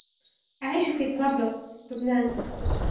أعيش في طرابلس، لبنان.